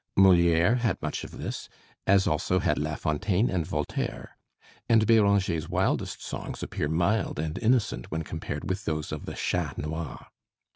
Molière had much of this, as also had La Fontaine and Voltaire, and Béranger's wildest songs appear mild and innocent when compared with those of the Chat Noir.